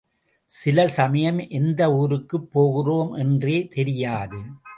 சில சமயம் எந்த ஊருக்குப் போகிறோம் என்றே தெரியாது.